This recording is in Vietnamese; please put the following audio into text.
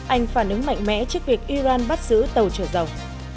anh phản ứng mạnh mẽ trước việc iran bắt giữ tàu trở dầu